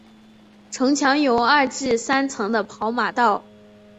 城墙有二至三层的跑马道。